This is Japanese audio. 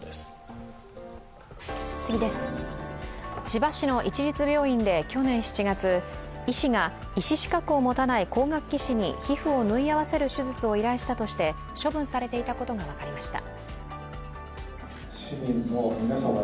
千葉市の市立病院で去年７月、医師が医師資格を持たない工学技士に皮膚を縫い合わせる手術を依頼したとして処分されていたことが分かりました。